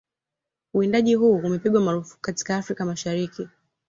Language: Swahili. Uwindaji huu umepigwa marufuku katika Afrika Mashariki